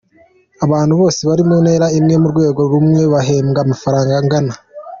Abantu bose bari mu ntera imwe, mu rwego rumwe bahembwa amafaranga angana.